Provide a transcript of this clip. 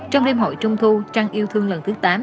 trong đêm hội trung thu trang yêu thương lần thứ tám